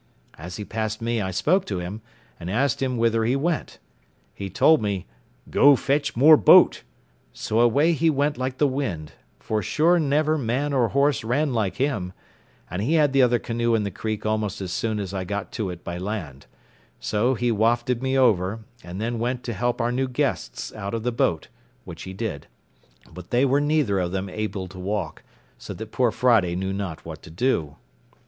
As he passed me I spoke to him, and asked him whither he went. He told me, "Go fetch more boat;" so away he went like the wind, for sure never man or horse ran like him; and he had the other canoe in the creek almost as soon as I got to it by land; so he wafted me over, and then went to help our new guests out of the boat, which he did; but they were neither of them able to walk; so that poor Friday knew not what to do.